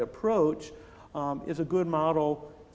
cara bri adalah model yang baik